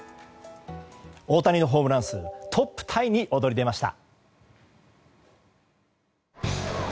大谷のホームラン数トップタイに躍り出ました。